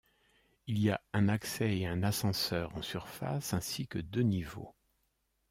Il y a un accès et un ascenseur en surface ainsi que deux niveaux.